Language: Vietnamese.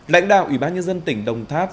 lãnh đạo ủy ban nhân dân tỉnh đồng tháp